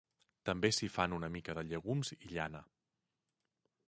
També s'hi fan una mica de llegums i llana.